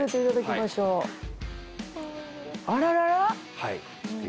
はい。